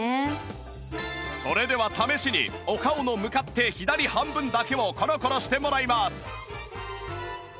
それでは試しにお顔の向かって左半分だけをコロコロしてもらいます